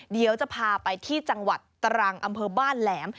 เดี๋ยวจะพาไปที่จังหวัดตรังอำเภอบ้านแหลม